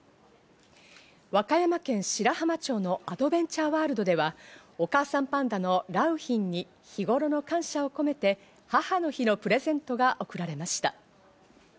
和歌山県白浜町のアドベンチャーワールドでは、お母さんパンダの良浜に日頃の感謝を込めて母の日のプレゼントが贈られました。